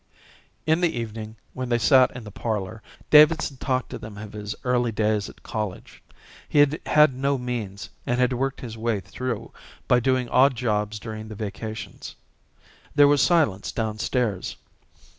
In the evening when they sat in the parlour Davidson talked to them of his early days at college. He had had no means and had worked his way through by doing odd jobs during the vacations. There was silence downstairs.